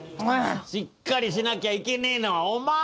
しっかりしなきゃいけねえのはお前！